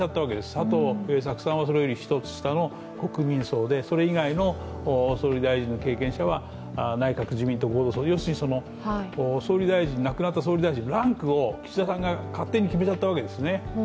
佐藤栄作さんは、それより１つ下の国民葬でそれ以外の総理大臣の経験者は、内閣・自民党合同葬、亡くなった総理大臣のランクを岸田さんが勝手に決めちゃったわけですね。